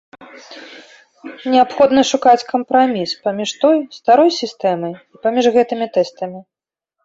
Неабходна шукаць кампраміс паміж той, старой сістэмай і паміж гэтымі тэстамі.